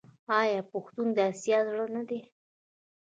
آیا پښتون د اسیا زړه نه دی؟